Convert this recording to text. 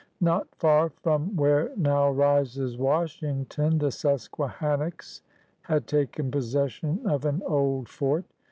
Not far from where now rises Washington the Susquehannocks had taken possession of an old fort.